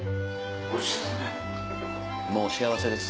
もう幸せです。